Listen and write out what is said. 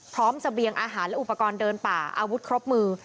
เสบียงอาหารและอุปกรณ์เดินป่าอาวุธครบมือ